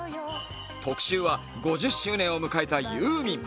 特集は５０周年を迎えたユーミン。